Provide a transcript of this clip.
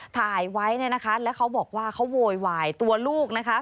ถ่ายไว้เนี่ยนะคะแล้วเขาบอกว่าเขาโวยวายตัวลูกนะคะ